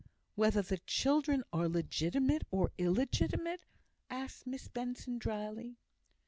"Whether the children are legitimate or illegitimate?" asked Miss Benson, drily.